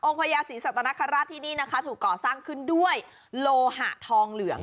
พญาศรีสัตนคราชที่นี่นะคะถูกก่อสร้างขึ้นด้วยโลหะทองเหลือง